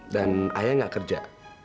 dan ayah gak kerja